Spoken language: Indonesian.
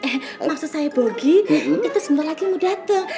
eh maksud saya bogi itu sebentar lagi mau dateng